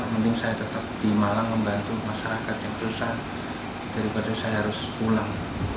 mending saya tetap di malang membantu masyarakat yang berusaha daripada saya harus pulang